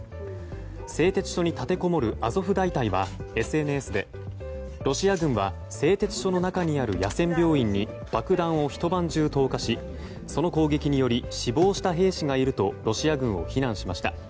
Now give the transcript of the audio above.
製鉄所に立てこもるアゾフ大隊はＳＮＳでロシア軍は製鉄所の中にある野戦病院に爆弾をひと晩中投下しその攻撃により死亡した兵士がいるとロシア軍を非難しました。